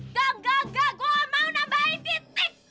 enggak enggak enggak gue mau nambahin titik